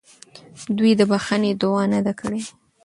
دوی د بخښنې دعا نه ده کړې.